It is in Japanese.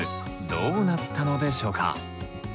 どうなったのでしょうか？